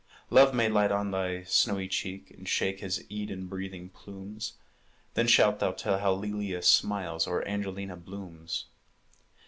Love may light on thy snowy cheek, And shake his Eden breathing plumes; Then shalt thou tell how Lelia smiles, Or Angelina blooms.